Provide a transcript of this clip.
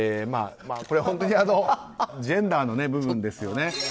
これは本当にジェンダーの部分ですよね。